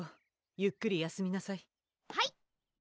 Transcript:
ゆっくり休みなさいはい！